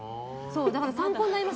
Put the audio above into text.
だから参考になります。